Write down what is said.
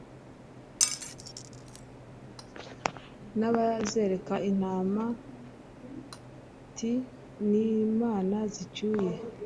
N' abazereka Intamati,N' imana zicyuye,